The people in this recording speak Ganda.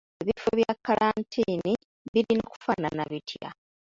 Ebifo bya kkalantiini birina kufaanana bitya?